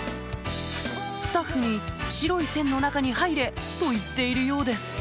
スタッフに「白い線の中に入れ」と言っているようです